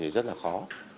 rất là khó